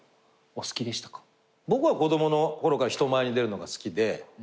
僕は子供のころから人前に出るのが好きで。